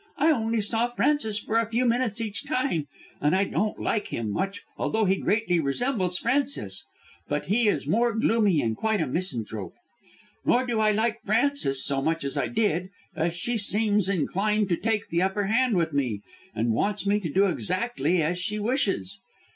I only saw Francis for a few minutes each time and I don't like him much, although he greatly resembles Frances. But he is more gloomy and is quite a misanthrope. Nor do I like Frances so much as I did, as she seems inclined to take the upper hand with me, and wants me to do exactly as she wishes.